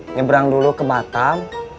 nyebrang dulu ke batam